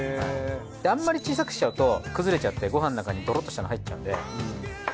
あんまり小さくしちゃうと崩れちゃってごはんの中にドロッとしたの入っちゃうんで。